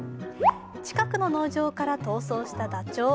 近くの農場から逃走したダチョウ。